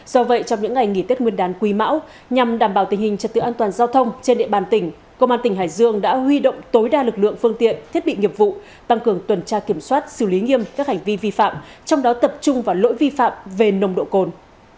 do vậy trong những ngày nghỉ tết nguyên đán quý mão nhằm đảm bảo tình hình trật tự an toàn giao thông trên địa bàn tỉnh công an tỉnh hải dương đã huy động tối đa lực lượng phương tiện thiết bị nghiệp vụ tăng cường tuần tra kiểm soát xử lý nghiêm các hành vi vi phạm trong đó tập trung vào lỗi vi phạm về nồng độ cồn